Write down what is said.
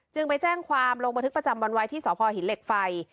จึงไปแจ้งความลงประทึกประจำบรรไวที่สภหินเหล็กไฟ